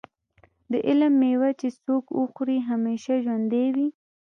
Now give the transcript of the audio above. د علم مېوه چې څوک وخوري همیشه ژوندی وي.